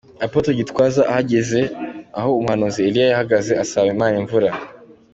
Apotre Gitwaza ahagaze aho umuhanuzi Eliya yahagaze asaba Imana imvura.